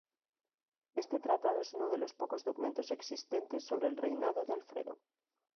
Este tratado es uno de los pocos documentos existentes sobre el reinado de Alfredo.